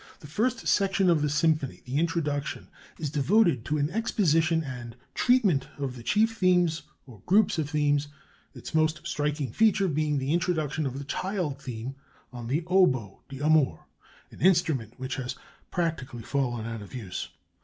The first section of the symphony, the Introduction, is devoted to an exposition and treatment of the chief themes, or groups of themes, its most striking feature being the introduction of the child theme on the oboe d'amore, an instrument which has practically fallen out of use.